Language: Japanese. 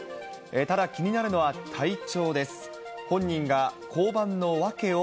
ただ、気になるのは体調です。